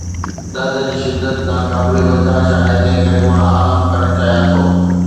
درد جي شدت ناقابل برداشت آهي، تنهنڪري مان آرام ڪرڻ چاهيان ٿو